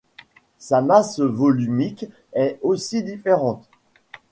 Sa masse volumique est aussi différente.